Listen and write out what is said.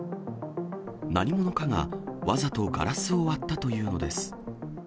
何者かがわざとガラスを割ったというのです。